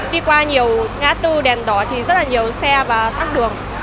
đi qua nhiều ngã tư đèn đỏ thì rất là nhiều xe và tắc đường